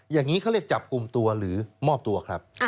อย่างนี้เขาเรียกจับกลุ่มตัวหรือมอบตัวครับ